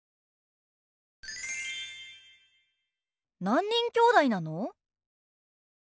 何人きょうだいなの？